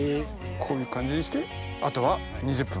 こういう感じにしてあとは２０分。